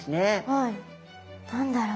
はい何だろう。